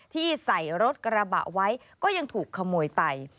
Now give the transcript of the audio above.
ที่ใส่รถกระบะไว้ก็ยังถูกขโมยไป